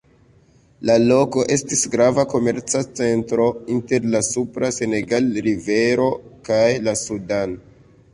La loko estis grava komerca centro inter la supra Senegal-rivero kaj la Sudan.